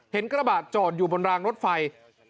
กระบะจอดอยู่บนรางรถไฟ